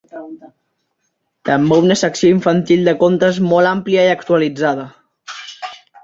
També una secció infantil de contes molt àmplia i actualitzada.